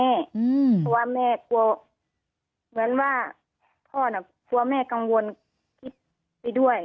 เพราะว่าแม่กลัวเหมือนว่าพ่อน่ะกลัวแม่กังวลคิดไปด้วย